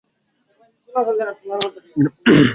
গোপাল একেবারে মুহ্যমান হইয়া গেল।